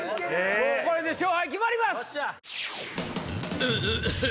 これで勝敗決まります！